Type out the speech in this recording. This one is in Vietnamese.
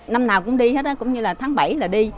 năm nào cũng đi hết đó cũng như là tháng bảy là đi